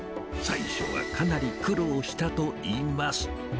最初はかなり苦労したといいます。